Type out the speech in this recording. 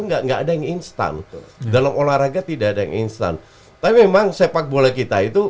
enggak enggak ada yang instan dalam olahraga tidak ada yang instan tapi memang sepak bola kita itu